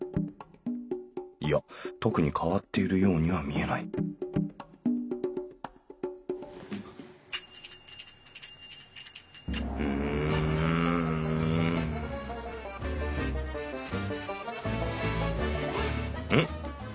いや特に変わっているようには見えないうんん？